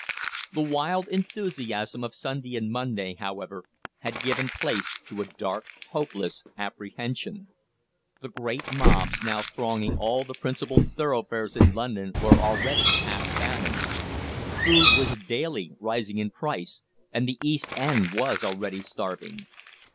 The wild enthusiasm of Sunday and Monday, however, had given place to a dark, hopeless apprehension. The great mobs now thronging all the principal thoroughfares in London were already half famished. Food was daily rising in price, and the East End was already starving.